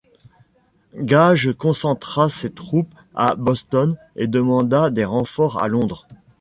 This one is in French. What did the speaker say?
Gage concentra ses troupes à Boston et demanda des renforts à Londres.